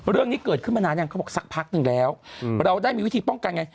เรื่องนี้เกิดขึ้นมานานยังเขาบอกสักพักหนึ่งแล้วเราได้มีวิธีป้องกันไง